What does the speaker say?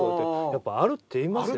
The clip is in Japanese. やっぱあるって言いますよ。